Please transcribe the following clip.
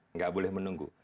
nggak boleh menunggu